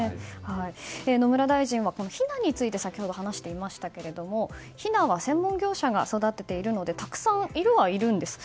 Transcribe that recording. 野村大臣は、ひなについて先ほど話していましたがヒナは専門業者が育てているのでたくさんいるはいるんです。